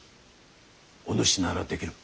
おぬしならできる。